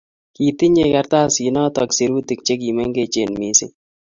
Kitinyei kartasinotok sirutiik chekimengechen missing.